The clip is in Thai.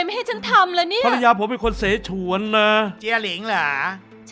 มามามาเล่นต่อเล่นต่อ